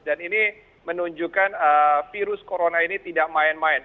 dan ini menunjukkan virus corona ini tidak main main